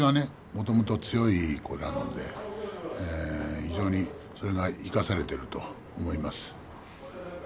もともと強い子なので非常に、それが生かされていると思います。